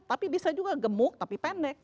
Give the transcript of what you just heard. tapi bisa juga gemuk tapi pendek